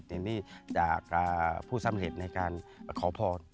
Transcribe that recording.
แต่นี่จากผู้สำเร็จในการขอพร